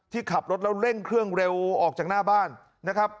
ขับรถแล้วเร่งเครื่องเร็วออกจากหน้าบ้านนะครับ